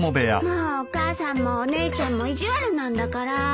もうお母さんもお姉ちゃんも意地悪なんだから。